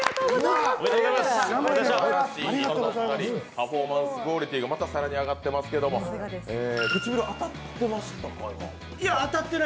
パフォーマンスクオリティーがまた更に上がってましたけど唇当たってましたか？